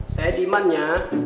saya di iman ya